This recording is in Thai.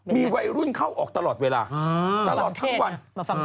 มีวัยรุ่นเข้าออกตลอดเวลาตลอดทั้งวัน